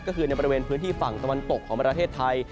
ก็คือในบริเวณพื้นที่ฝั่งตะวันตกของประเทศไทย